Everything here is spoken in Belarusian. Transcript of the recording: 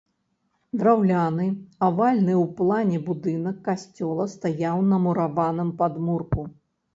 Драўляны авальны ў плане будынак касцёла стаяў на мураваным падмурку.